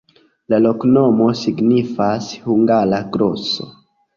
La loknomo signifas: hungara-groso.